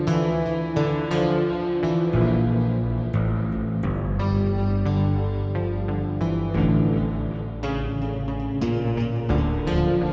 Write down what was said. aku mau memberi opongan sekarang